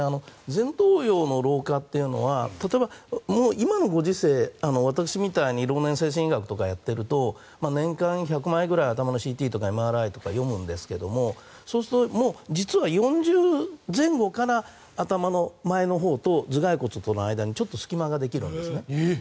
前頭葉の老化は例えば、今のご時世私みたいに老年精神医学とかやっていると年間１００枚ぐらい頭のＣＴとかＭＲＩとかを読むんですが、そうするともう実は４０前後から頭の前のほうと頭蓋骨の間にちょっと隙間ができるわけです。